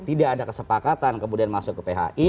tidak ada kesepakatan kemudian masuk ke phi